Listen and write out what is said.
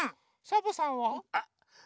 サボさん？